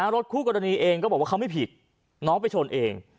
รถคู่กรณีเองก็บอกว่าเขาไม่ผิดน้องไปชนเอง